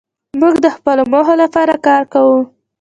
موږ د خپلو موخو لپاره کار کوو.